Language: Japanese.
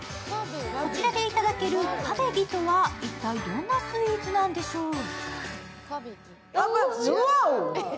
こちらで頂けるクァベギとは一体どんなスイーツなんでしょう？